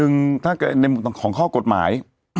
ในมุติของข้อกฎหมาย